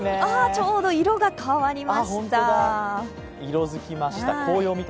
ちょうど色が変わりました。